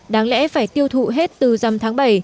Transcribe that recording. đáng lẽ phải tiêu thụ hết từ dằm tháng bảy